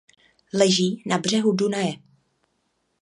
Leží na břehu Dunaje.